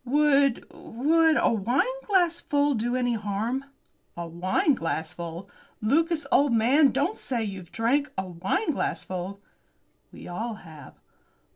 "Would would a wineglassful do any harm?" "A wineglassful! Lucas, old man, don't say you've drank a wineglassful!" "We all have."